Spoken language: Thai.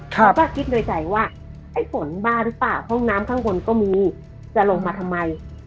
เราก็คิดโดยใจว่าไอ้ฝนบ้าหรือเปล่าห้องน้ำข้างบนก็มีจะลงมาทำไม